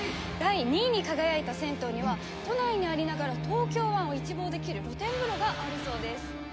第２位に輝いた銭湯には都内にありながら東京湾を一望できる露天風呂があるそうです。